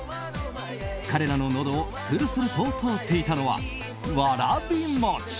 彼らの、のどをするすると通っていたのはわらびもち。